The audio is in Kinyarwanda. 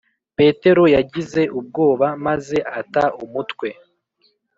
petero yagize ubwoba , maze ata umutwe